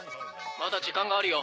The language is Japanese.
まだ時間があるよ。